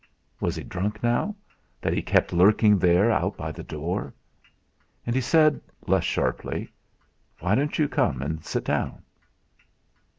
Was he drunk now, that he kept lurking out there by the door? And he said less sharply: "Why don't you come and sit down?"